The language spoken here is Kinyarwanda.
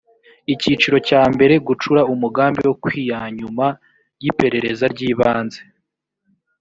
icyiciro cya mbere gucura umugambi wo kwianyuma y iperereza ry ibanze